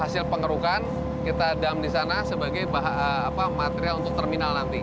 hasil pengerukan kita dam di sana sebagai material untuk terminal nanti